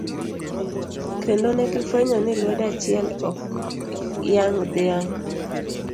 Kendo negi fwenyo ni lwedo achiel, ok yang' dhiang'.